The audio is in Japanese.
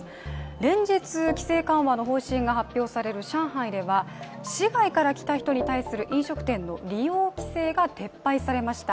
連日、規制緩和の方針が発表される上海では市外から来た人に対する飲食店の利用規制が撤廃されました。